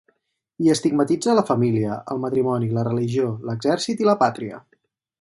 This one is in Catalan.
Hi estigmatitza la família, el matrimoni, la religió, l'exèrcit i la pàtria.